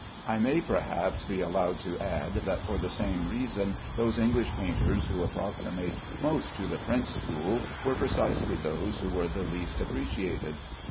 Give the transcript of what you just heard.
I may, perhaps, be allowed to add, that for the same reason those English painters who approximate most to the French school were precisely those who were the least appreciated.